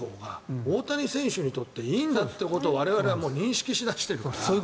大谷選手にとっていいんだってことを我々は認識し出しているから。